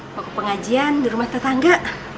mau ke pengajian di rumah tetangga